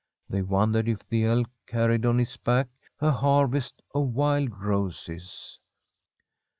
They wondered if the elk car Itrtl MM ilM back a harvest of wild roses.